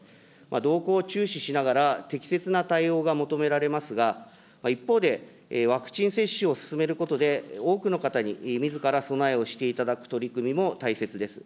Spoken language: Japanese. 動向を注視しながら、適切な対応が求められますが、一方で、ワクチン接種を進めることで、多くの方にみずから備えをしていただく取り組みも大切です。